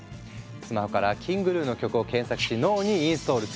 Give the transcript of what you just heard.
スマホからＫｉｎｇＧｎｕの曲を検索し脳にインストール。